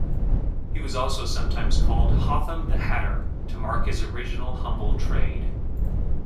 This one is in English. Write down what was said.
He was also sometimes called Hotham the Hatter, to mark his original humble trade.